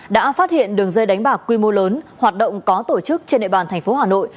đã phát hiện đường dây đánh bạc quy mô lớn hoạt động có tổ chức trên địa bàn thành phố hà nội